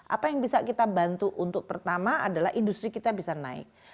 apa yang bisa kita bantu untuk pertama adalah industri kita bisa naik